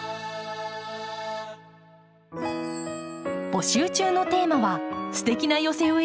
募集中のテーマは「ステキな寄せ植えでしょ！」。